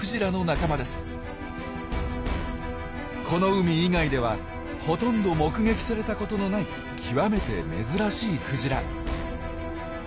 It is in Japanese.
この海以外ではほとんど目撃されたことのない極めて珍しいクジラ。